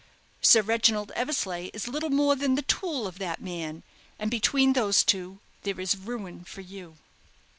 Sir Reginald Eversleigh is little more than the tool of that man, and between those two there is ruin for you."